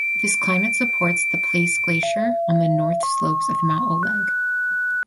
This climate supports the Place Glacier on the north slopes of Mount Oleg.